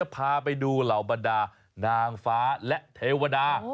พาไปดูเหล่าบรรดานางฟ้าและเทวดา